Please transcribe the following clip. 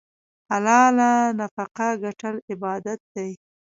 حلاله نفقه ګټل عبادت دی.